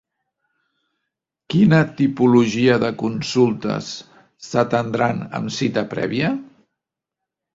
Quina tipologia de consultes s'atednran amb cita prèvia?